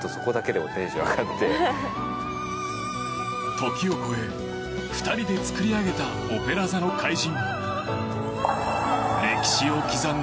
時を越え、２人で作り上げた「オペラ座の怪人」。